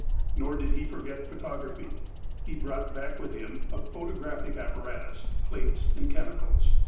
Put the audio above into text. Nor did he forget photography. He brought back with him a photographic apparatus, plates, and chemicals.